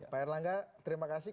pak erlangga terima kasih